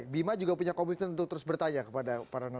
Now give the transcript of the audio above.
bima juga punya komitmen untuk terus bertanya kepada para nelayan